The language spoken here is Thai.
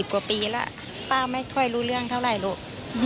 กว่าปีแล้วป้าไม่ค่อยรู้เรื่องเท่าไหร่ลูก